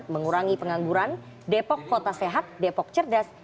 mengurangi pengangguran depok kota sehat depok cerdas